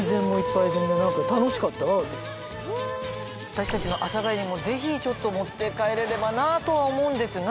私たちの阿佐ヶ谷にもぜひちょっと持って帰れればなとは思うんですが。